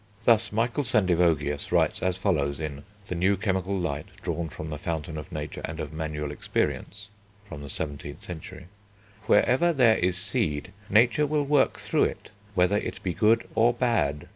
Thus Michael Sendivogius writes as follows in The New Chemical Light, drawn from the fountain of Nature and of Manual Experience (17th century): "Wherever there is seed, Nature will work through it, whether it be good or bad."